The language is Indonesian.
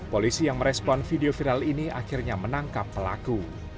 polisi yang merespon video viral ini akhirnya menangkap pelaku